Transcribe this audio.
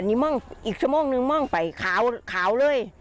อีกชั่วโมงนึงมองไปขาวเลย